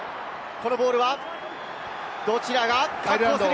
このボールはどちらが確保する？